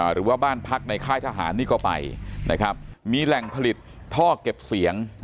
หรือว่าบ้านพักในค่ายทหารนี่ก็ไปนะครับมีแหล่งผลิตท่อเก็บเสียง